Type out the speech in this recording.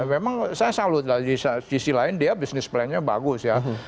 memang saya salut di sisi lain dia bisnis plannya bagus ya